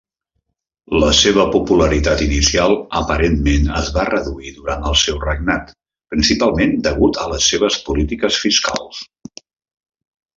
La seva popularitat inicial aparentment es va reduir durant el seu regnat, principalment degut a les seves polítiques fiscals.